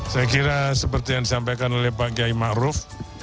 saya kira seperti yang disampaikan oleh pak giai makruf